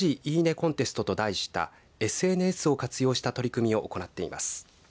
コンテストと題したＳＮＳを活用した取り組みを行っています。